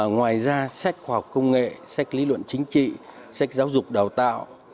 ngoài ra sách khoa học công nghệ sách lý luận chính trị sách giáo dục đào tạo